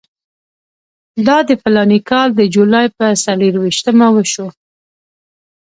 دا د فلاني کال د جولای پر څلېرویشتمه وشو.